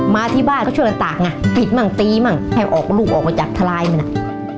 มาที่บ้านก็ช่วยกันตากไงผิดมั่งตีมั่งให้ออกลูกออกมาจากทลายมันอ่ะ